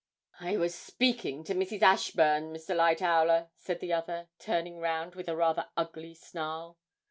'I was speaking to Mrs. Ashburn, Mr. Lightowler,' said the other, turning round with a rather ugly snarl.